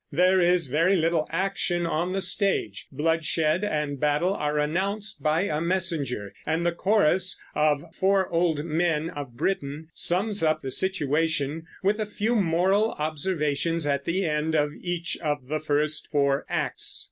There is very little action on the stage; bloodshed and battle are announced by a messenger; and the chorus, of four old men of Britain, sums up the situation with a few moral observations at the end of each of the first four acts.